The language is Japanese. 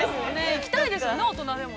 ◆行きたいですよね、大人でも。